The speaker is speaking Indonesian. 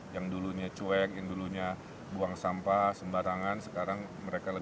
yang dulunya cuek yang dulunya buang sampah sembarangan sekarang mereka lebih